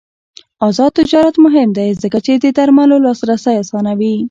آزاد تجارت مهم دی ځکه چې د درملو لاسرسی اسانوي.